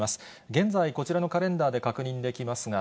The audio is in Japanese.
現在、こちらのカレンダーで確認できますが、